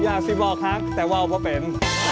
อยากจะบอกครับแต่ว่าประเปน